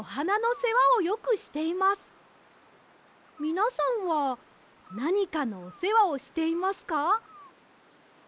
みなさんはなにかのおせわをしていますか？